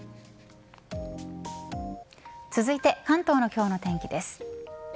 続いて関東の今日の天気です。